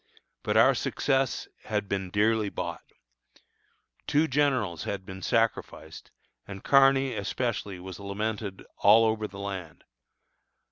But our success had been dearly bought. Two generals had been sacrificed, and Kearny especially was lamented all over the land.